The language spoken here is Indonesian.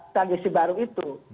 strategi baru itu